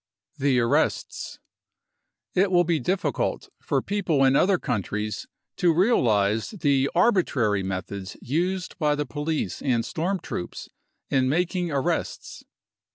The Arrests. It will be difficult for people in other countries to realise the arbitrary methods used by the police and Storm Troops in making arrests.